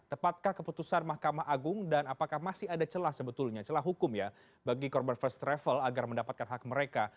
tepatkah keputusan mahkamah agung dan apakah masih ada celah sebetulnya celah hukum ya bagi korban first travel agar mendapatkan hak mereka